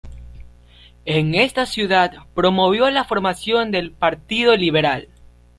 En esta ciudad promovió la formación del Partido Liberal.